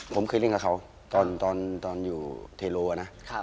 ผมเคยเล่นกับเขาตอนอยู่เทโรนะ